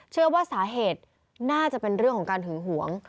เชื่อว่าสาเหตุน่าจะเป็นเรื่องของการหึงหวง